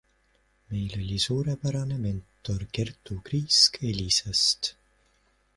Meil oli suurepärane mentor Kertu Kriisk Elisast.